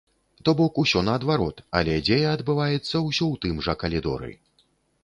То бок усё наадварот, але дзея адбываецца ўсё ў тым жа калідоры.